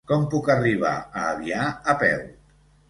Com puc arribar a Avià a peu?